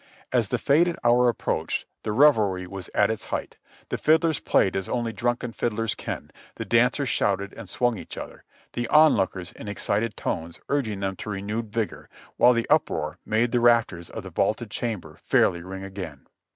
As the fated hour approached the revelry was at its height; the fiddlers played as only drunken fiddlers can, the dancers shouted and swung each other, the onlookers in excited tones urging them to renewed vigor, while the uproar made the rafters of the vaulted chamber fairly ring again.